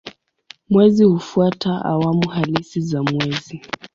Mwezi hufuata awamu halisi za mwezi.